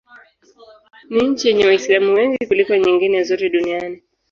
Ni nchi yenye Waislamu wengi kuliko nyingine zote duniani.